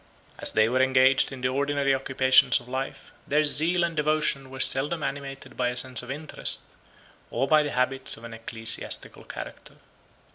As they were engaged in the ordinary occupations of life, their zeal and devotion were seldom animated by a sense of interest, or by the habits of an ecclesiastical character.